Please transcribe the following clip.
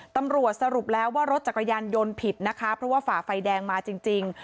สรุปแล้วว่ารถจักรยานยนต์ผิดนะคะเพราะว่าฝ่าไฟแดงมาจริง